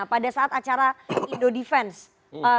pada saat acara indo defense